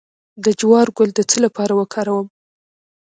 د جوار ګل د څه لپاره وکاروم؟